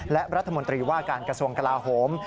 และรัฐมนตรีว่าการกระทรวงกลาโหม